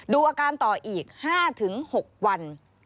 ดูอาการต่ออีก๕๖วัน